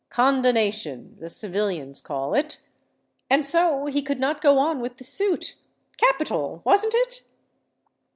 Condonation, the civilians call it—and so he could not go on with the suit. Capital—wasn't it?"